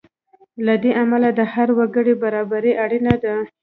له دې امله د هر وګړي برابري اړینه ده.